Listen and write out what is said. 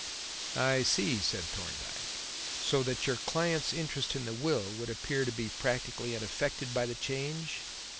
"I see," said Thorndyke. "So that your client's interest in the will would appear to be practically unaffected by the change."